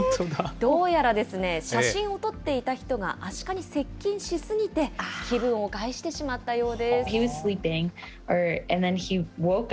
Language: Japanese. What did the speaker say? どうやら写真を撮っていた人がアシカに接近し過ぎて、気分を害してしまったようです。